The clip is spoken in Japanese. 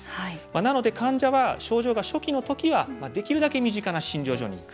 なので患者は症状が初期のときはできるだけ身近な診療所に行く。